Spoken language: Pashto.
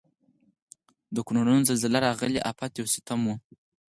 د کونړونو زلزله راغلي افت یو ستم و.